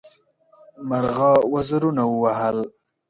مرغه وزرونه ووهل.